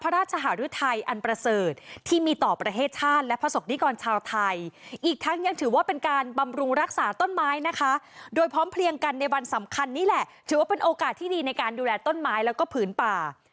ในวันสำคัญนี่แหละถือว่าเป็นโอกาสที่ดีในการดูแลต้นไม้แล้วก็ผืนป่า